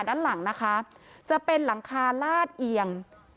ด้านหลังนะคะจะเป็นหลังคาลาดเอียง